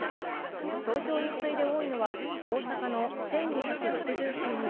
東京に次いで多いのは大阪の１２６３人